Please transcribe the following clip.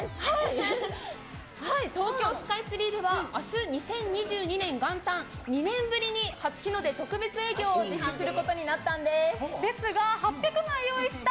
東京スカイツリーでは明日、２０２２年元旦２年ぶりに、初日の出特別営業を実施することになりました。